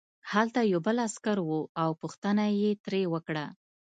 هلته یو بل عسکر و او پوښتنه یې ترې وکړه